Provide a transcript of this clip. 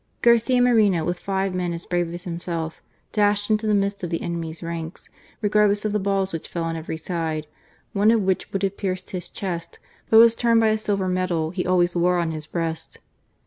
Garcia Moreno with five men as brave as himself, dashed into the midst of the enemy's ranks, regardless of the balls which fell on every side, one of which would have pierced his chest but was turned by a silver medal he always wore on his breast.